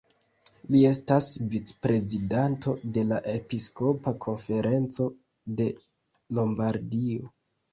Li estas vic-prezidanto de la Episkopa konferenco de Lombardio.